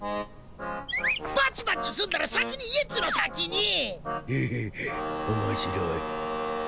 バチバチすんなら先に言えっつの先に！へへ面白い。